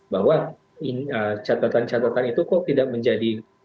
bahwa catatan catatan itu kok tidak menjadi